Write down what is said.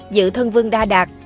giữ thân vương đa đạt